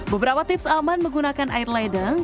beberapa tips aman menggunakan air ledeng